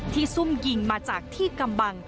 ซุ่มยิงมาจากที่กำบัง